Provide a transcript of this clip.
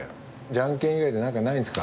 じゃんけん以外で何かないんですか？